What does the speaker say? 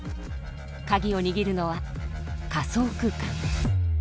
カギを握るのは仮想空間です。